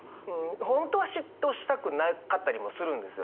本当は嫉妬したくなかったりもするんですよ